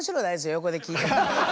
横で聞いてて。